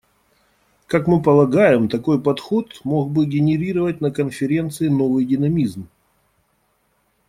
Как мы полагаем, такой подход мог бы генерировать на Конференции новый динамизм.